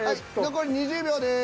残り２０秒です。